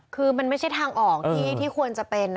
คือมันไม่ใช่ทางออกที่ควรจะเป็น